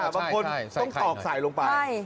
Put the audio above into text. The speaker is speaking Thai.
บางคนต้องตอกใส่ลงไป